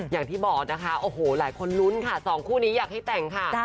อย่างที่บอกนะคะโอ้โหหลายคนลุ้นค่ะสองคู่นี้อยากให้แต่งค่ะ